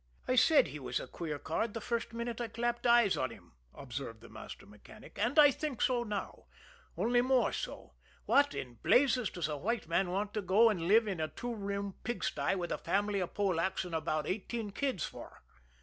"I said he was a queer card the first minute I clapped eyes on him," observed the master mechanic. "And I think so now only more so. What in blazes does a white man want to go and live in a two room pigsty, with a family of Polacks and about eighteen kids, for?"